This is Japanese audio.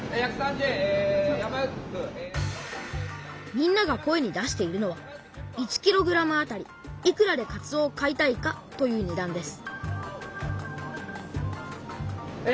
みんなが声に出しているのは「１ｋｇあたりいくらでかつおを買いたいか」というねだんです